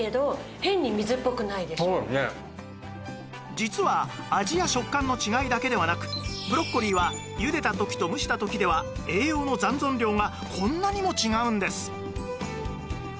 実は味や食感の違いだけではなくブロッコリーはゆでた時と蒸した時では栄養の残存量がこんなにも違うんです